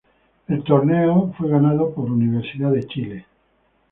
El torneo fue ganado por Universidad de Chile.